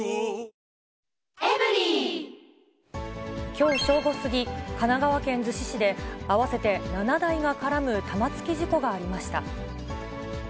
きょう正午過ぎ、神奈川県逗子市で合わせて７台が絡む玉突き事故がありました。